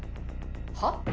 はっ？